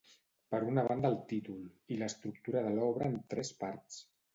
Per una banda el títol, i l'estructura de l'obra en tres parts.